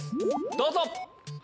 どうぞ。